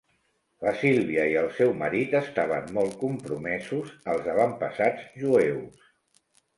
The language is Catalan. La Silvia i el seu marit estaven molt compromesos als avantpassats jueus.